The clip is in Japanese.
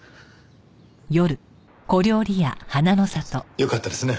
よかったですね